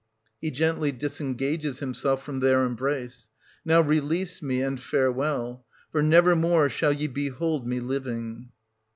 — {He gently disengages himself front their embrace.) Now, release me, — and farewell ; for never more shall ye behold me living.